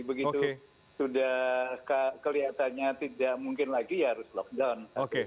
begitu sudah kelihatannya tidak mungkin lagi ya harus lockdown